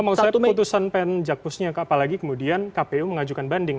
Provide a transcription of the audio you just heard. kamu maksudnya putusan pn jakpusnya ke apa lagi kemudian kpu mengajukan banding